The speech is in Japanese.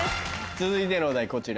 続いてのお題こちら。